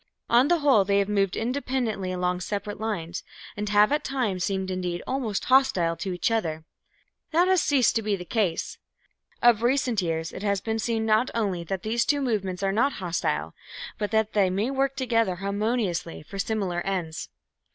On the whole they have moved independently along separate lines, and have at times seemed indeed almost hostile to each other. That has ceased to be the case. Of recent years it has been seen not only that these two movements are not hostile, but that they may work together harmoniously for similar ends.